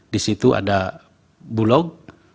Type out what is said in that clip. di situ ada bulog